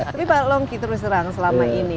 tapi pak longki terus terang selama ini